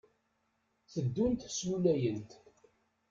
Teddunt slulayent.